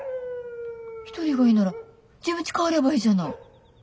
１人がいいなら自分ち帰ればいいじゃない。